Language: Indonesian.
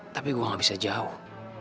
tapi gue gak bisa jauh